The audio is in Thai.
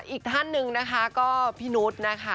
อีกท่านหนึ่งนะคะก็พี่นุษย์นะคะ